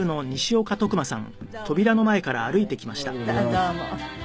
どうも。